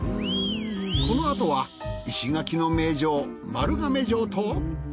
このあとは石垣の名城丸亀城と。